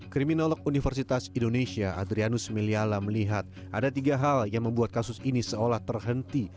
kriminolog universitas indonesia adrianus meliala melihat ada tiga hal yang membuat kasus ini seolah terhenti